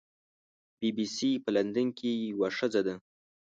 بی بي سي په لندن کې یوه ښځه ده.